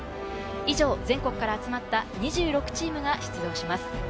以上、全国から集まった２６チームが出場します。